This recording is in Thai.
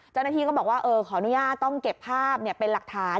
เจ้าหน้าที่ก็บอกว่าขออนุญาตต้องเก็บภาพเป็นหลักฐาน